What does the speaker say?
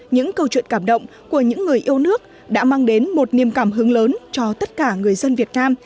những câu chuyện cảm động của những người yêu nước đã mang đến một niềm cảm hứng lớn cho tất cả người dân việt nam